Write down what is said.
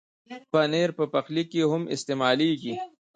پنېر په پخلي کې هم استعمالېږي.